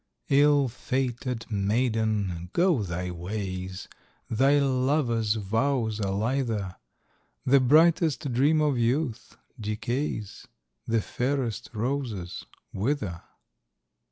Ill fated maiden! go thy ways, Thy lover's vows are lither, The brightest dream of youth decays, The fairest roses wither.